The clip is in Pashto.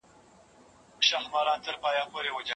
د ده مسلماني یې تر سوال لاندي کړه